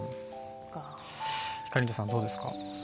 ひかりんちょさんどうですか？